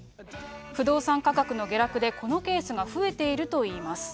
不動産価格の下落でこのケースが増えているといいます。